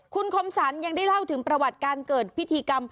คุณคมสรรยังได้เล่าถึงประวัติการเกิดพิธีกรรม